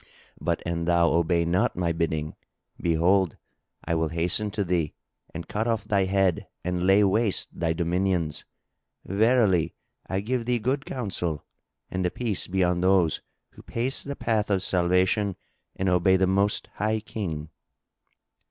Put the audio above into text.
But an thou obey not my bidding, behold, I will hasten to thee and cut off thy head and lay waste thy dominions. Verily, I give thee good counsel, and the Peace be on those who pace the path of salvation and obey the Most High King!"